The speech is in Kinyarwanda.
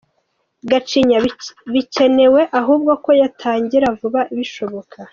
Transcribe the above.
Gacinya: Bikenewe ahubwo ko yatangira vuba bishoboka.